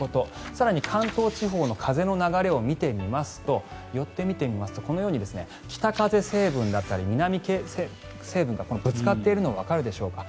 更に関東地方の風の流れを見てみますと寄ってみてみますとこのように北風成分だったり南風成分がぶつかっているのがわかるでしょうか。